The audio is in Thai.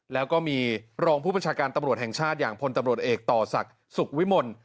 แล้วก็มีรองผู้บัญชาการตำรวจแห่งชาติอย่างพลตำรวจเอกต่อศักดิ์สุขวิมล